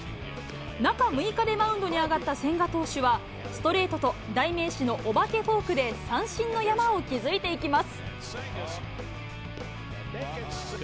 中６日でマウンドに上がった千賀投手は、ストレートと代名詞のお化けフォークで、三振の山を築いていきます。